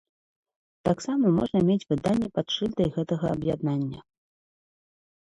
Таксама можна мець выданні пад шыльдай гэтага аб'яднання.